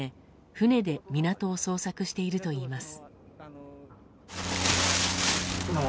船で港を捜索しているといいます。